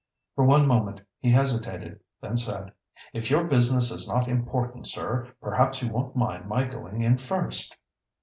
For one moment he hesitated, then said: "If your business is not important, sir, perhaps you won't mind my going in first?"